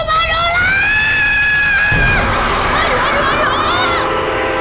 aduh aduh aduh